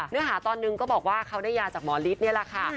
เนื้อหาตอนนึงก็บอกว่าเขาได้ยาจากหมอฤทธินี่แหละค่ะ